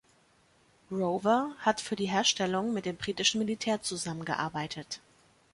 Rover hat für die Herstellung mit dem britischen Militär zusammengearbeitet.